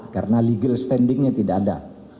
karena legal standingnya tidak ada